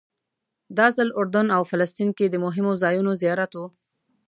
دا ځل اردن او فلسطین کې د مهمو ځایونو زیارت و.